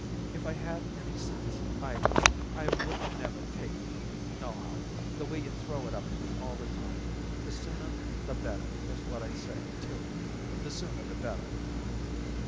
If I had any sense I I wouldn't never take it from you, nohow, the way you throw it up to me all the time. The sooner the better is what I say, too; the sooner the better."